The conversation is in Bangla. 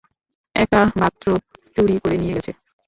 একটা বাথরোব চুরি করে নিয়ে গেছে।